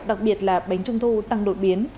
đặc biệt là bánh trung thu tăng đội biến